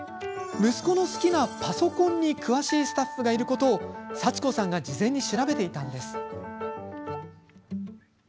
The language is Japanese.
息子の好きなパソコンに詳しいスタッフがいることを幸子さんが事前に調べていたんです。